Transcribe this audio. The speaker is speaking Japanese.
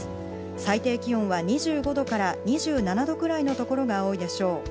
最低気温は２５度から２７度くらいの所が多いでしょう。